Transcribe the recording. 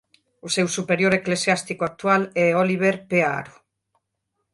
O seu superior eclesiástico actual é Oliver P. Aro.